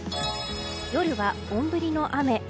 夜は本降りの雨。